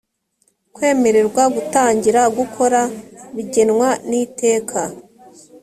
kwemererwa gutangira gukora bigenwa n iteka